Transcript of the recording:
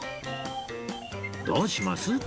どうします？